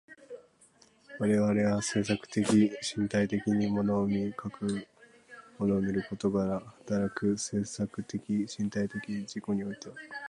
我々は制作的身体的に物を見、かく物を見ることから働く制作的身体的自己においては、